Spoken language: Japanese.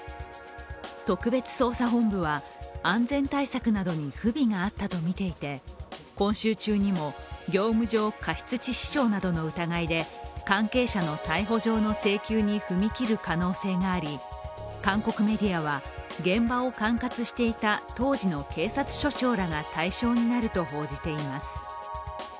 特別捜査本部は安全対策などに不備があったとみていて今週中にも業務上過失致死傷などの疑いで関係者の逮捕状の請求に踏み切る可能性があり、韓国メディアは現場を管轄していた当時の警察署長らが対象になると報じています。